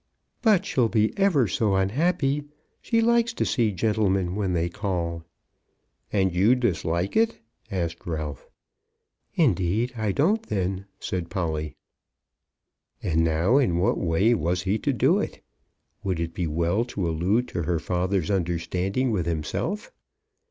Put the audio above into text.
"But she'll be ever so unhappy. She likes to see gentlemen when they call." "And you dislike it?" asked Ralph. "Indeed I don't then," said Polly. And now in what way was he to do it? Would it be well to allude to her father's understanding with himself?